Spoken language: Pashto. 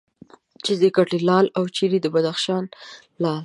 چیرې کټې لال او چیرې د بدخشان لعل.